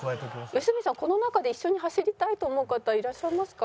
良純さんこの中で一緒に走りたいと思う方いらっしゃいますか？